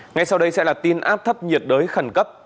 ngay sau đây sẽ là tin áp thấp nhiệt đới khẩn cấp